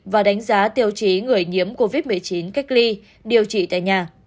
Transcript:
và đánh giá tiêu chí người nhiễm covid một mươi chín cách ly điều trị tại nhà